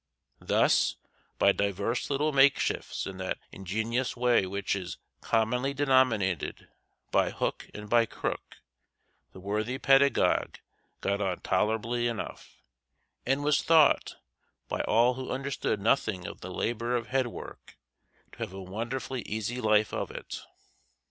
Thus, by divers little makeshifts in that ingenious way which is commonly denominated "by hook and by crook," the worthy pedagogue got on tolerably enough, and was thought, by all who understood nothing of the labor of headwork, to have a wonderfully easy life of it.